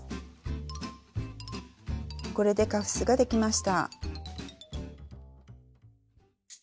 これでカフスができました。